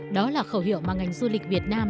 đó là khẩu hiệu mà ngành du lịch việt nam